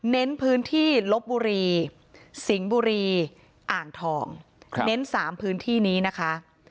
เน้นพื้นที่ลบบุรีสิงห์บุรีอ่างทองเน้น๓พื้นที่นี้นะคะ